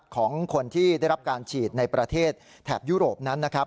ของคนที่ได้รับการฉีดในประเทศแถบยุโรปนั้นนะครับ